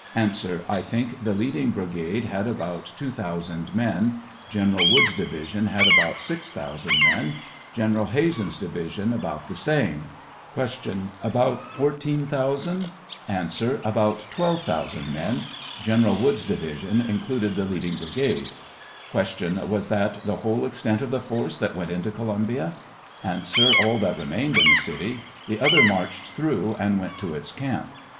A. I think the leading brigade had about two thou sand men ; General Wood's division had about 6,000 men ; General Hazen's division about the same. Q. About 14,000 ? A. About 12,000 men ; General Wood's division in cluded the leading brigade. Q. Was that the whole extent of the force that went into Columbia ? A. All that remained in the city ; the other marched through and went to its camp.